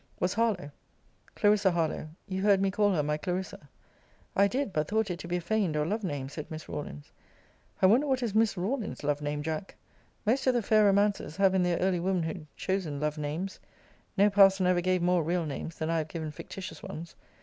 ] was Harlowe Clarissa Harlowe you heard me call her my Clarissa I did but thought it to be a feigned or love name, said Miss Rawlins. I wonder what is Miss Rawlins's love name, Jack. Most of the fair romancers have in their early womanhood chosen love names. No parson ever gave more real names, than I have given fictitious ones.